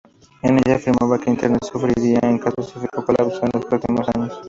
En ella afirmaba que Internet sufriría un "catastrófico colapso" en los próximos años.